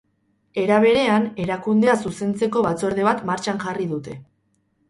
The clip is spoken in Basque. Era berean, erakundea zuzentzeko batzorde bat martxan jarri dute.